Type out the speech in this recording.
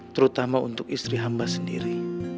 terutama untuk istri hamba sendiri